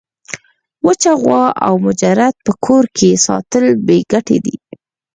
وچه غوا او مجرد په کور کي ساتل بې ګټي دي.